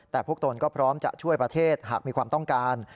แต่พวกตนก็พร้อมจะช่วยประเทศหากมีความต้องการ